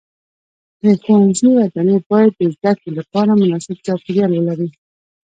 د ښوونځي ودانۍ باید د زده کړې لپاره مناسب چاپیریال ولري.